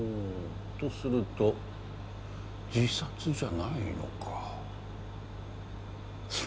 とすると自殺じゃないのか。